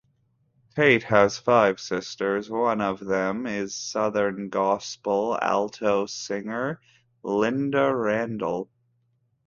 Tait has five sisters, one of them is Southern gospel alto singer Lynda Randle.